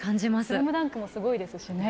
スラムダンクもすごいですしね。